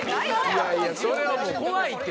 いやいやそれはもう怖いって。